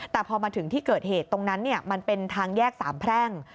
แต่พอมาถึงที่เกิดเหตุตรงนั้นมันเป็นทางแยกสามแพร่ง